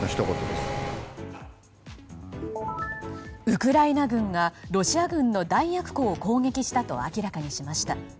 ウクライナ軍がロシア軍の弾薬庫を攻撃したと明らかにしました。